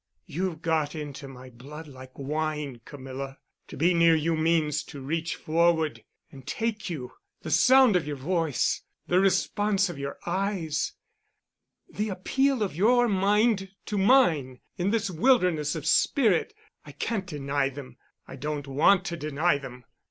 "You've got into my blood like wine, Camilla. To be near you means to reach forward and take you—the sound of your voice, the response of your eyes, the appeal of your mind to mine in this wilderness of spirit—I can't deny them—I don't want to deny them."